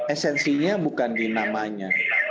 esensinya bukan di namanya